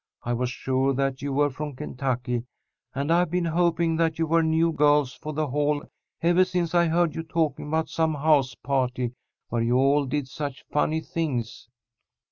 I was sure that you were from Kentucky, and I've been hoping that you were new girls for the Hall ever since I heard you talking about some house party where you all did such funny things."